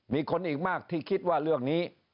มีคนอีกมากที่คิดว่าเรื่องนี้